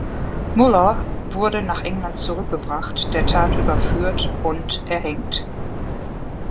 Muller wurde nach England zurückgebracht, der Tat überführt und erhängt.